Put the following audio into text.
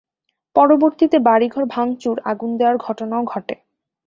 পরবর্তীতে বাড়িঘর ভাঙচুর, আগুন দেয়ার ঘটনাও ঘটে।